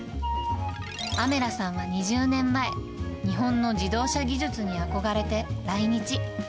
アメラさんは２０年前、日本の自動車技術に憧れて来日。